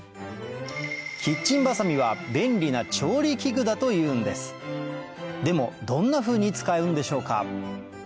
キッチンバサミは便利な調理器具だというんですでもどんなふうに使うんでしょうか？